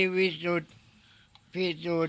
พี่สุดพี่สุด